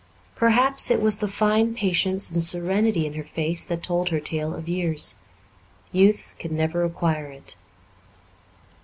Perhaps it was the fine patience and serenity in her face that told her tale of years. Youth can never acquire it.